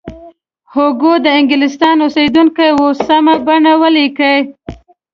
هوګو د انګلستان اوسیدونکی و سمه بڼه ولیکئ.